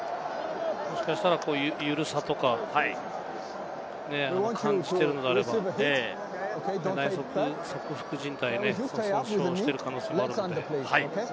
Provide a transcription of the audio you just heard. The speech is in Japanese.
もしかしたら緩さとか感じているのであれば、内足側副靱帯、損傷している可能性もあるので。